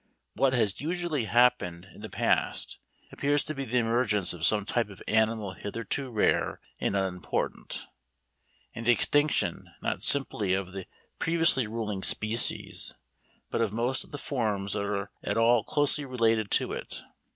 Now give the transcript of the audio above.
_ What has usually happened in the past appears to be the emergence of some type of animal hitherto rare and unimportant, and the extinction, not simply of the previously ruling species, but of most of the forms that are at all closely related to it.